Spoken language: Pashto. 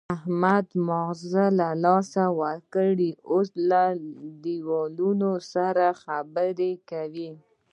احمد ماغزه له لاسه ورکړي، اوس له دېوالونو سره خبرې کوي.